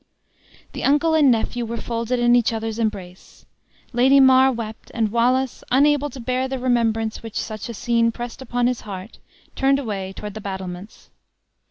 The uncle and nephew were folded in each other's embrace. Lady Mar wept, and Wallace, unable to bear the remembrance which such a scene pressed upon his heart, turned away toward the battlements.